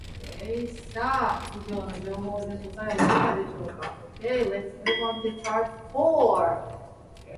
元来人間というものは自己の力量に慢じてみんな増長している